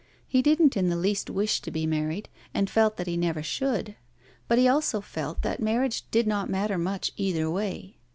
He didn't in the least wish to be married, and felt that he never should. But he also felt that marriage did not matter much either way.